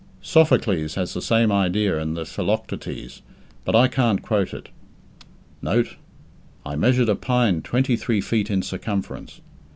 Sophocles has the same idea in the Philoctetes, but I can't quote it. Note: I measured a pine twenty three feet in circumference.